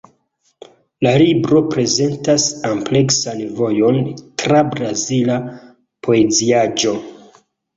La libro prezentas ampleksan vojon tra brazila poeziaĵo.